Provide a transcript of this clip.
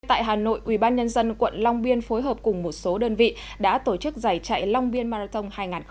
tại hà nội ubnd quận long biên phối hợp cùng một số đơn vị đã tổ chức giải chạy long biên marathon hai nghìn hai mươi